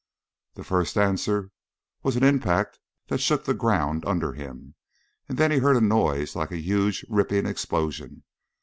The first answer was an impact that shook the ground under him, and then he heard a noise like a huge ripping explosion.